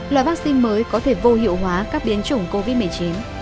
loại vaccine mới có thể vô hiệu hóa các biến chủng covid một mươi chín